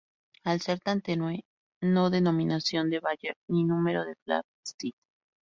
Al ser tan tenue no denominación de Bayer ni número de Flamsteed.